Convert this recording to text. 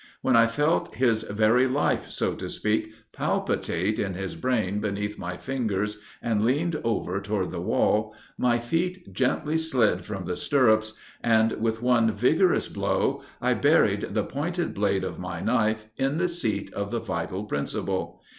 When I felt his very life, so to speak, palpitate in his brain beneath my fingers, and leaned over toward the wall, my feet gently slid from the stirrups, and, with one vigorous blow, I buried the pointed blade of my knife in the seat of the vital principle.